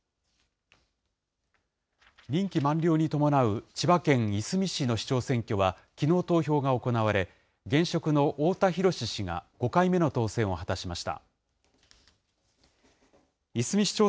任期満了に伴う千葉県いすみ市の市長選挙は、きのう投票が行われ、現職の太田洋氏が５回目の当選を果たしました。